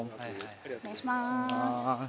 お願いします。